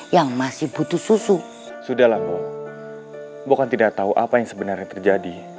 ya lah mbok mbok kan tidak tahu apa yang sebenarnya terjadi